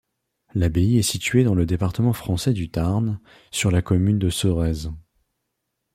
L'abbaye est située dans le département français du Tarn, sur la commune de Sorèze.